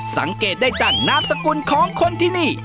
สังเกตได้จังนามสกุลของคนที่นี่